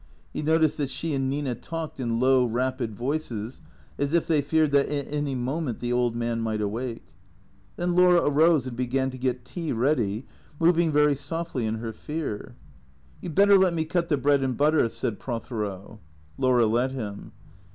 He noticed that she and Nina talked in low, rapid voices, as if they feared that at any moment the old man might awake. Then Laura arose and began to get tea ready, moving very softly in her fear. " You 'd better let me cut the bread and butter," said Prothero. Laura let him.